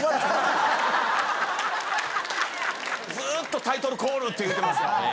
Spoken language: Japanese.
ずっとタイトルコールって言うてますわ。